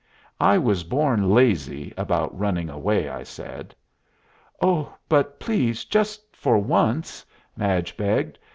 "I was born lazy about running away," I said. "Oh, but please, just for once," Madge begged.